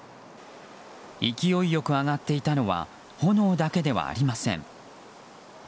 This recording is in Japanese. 勢い良く上がっていたのは炎だけではありません。